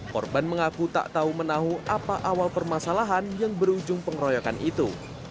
korban mengaku tak tahu menahu apa awal permasalahan yang berujung pengeroyokan itu